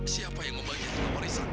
siapa yang membagi harta warisan